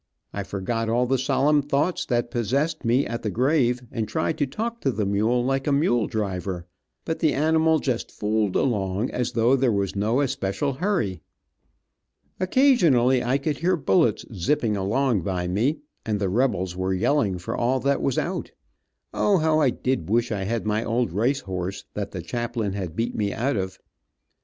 I forgot all the solemn thoughts that possessed me at the grave, and tried to talk to the mule like a mule driver, but the animal just fooled along, as though there was no especial hurry. Occasionally I could hear bullets 'zipping' along by me, and the rebels were yelling for all that was out. O, how I did wish I had my old race horse that the chaplain had beat me out of.